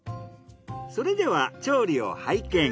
それでは調理を拝見。